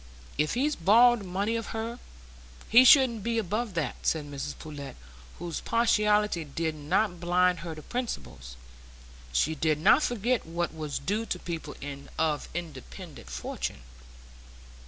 If he's borrowed money of her, he shouldn't be above that," said Mrs Pullet, whose partiality did not blind her to principles; she did not forget what was due to people of independent fortune.